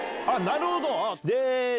なるほど。